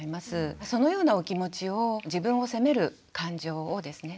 そのようなお気持ちを自分を責める感情をですね